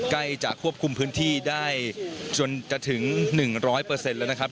ใกล้จะควบคุมพื้นที่ได้จนจะถึงหนึ่งร้อยเปอร์เซ็นต์แล้วนะครับ